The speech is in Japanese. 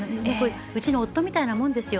うちの夫みたいなもんですよ。